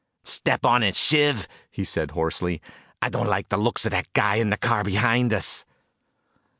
"Step on it, Shiv," he said hoarsely. "I don't like the looks of that guy in the car behind us."